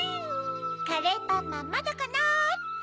「カレーパンマンまだかな」って。